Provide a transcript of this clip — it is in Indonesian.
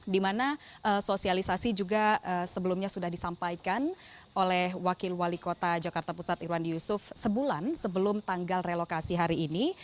dimana sosialisasi juga sebelumnya sudah disampaikan oleh wakil wali kota jakarta pusat irwandi yusuf sebulan sebelum tanggal relokasi hari ini